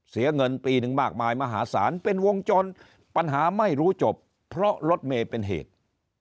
เสียเงินปีหนึ่งมากมายมหาศาลเป็นวงจรปัญหาไม่รู้จบเพราะรถเมย์เป็นเหตุ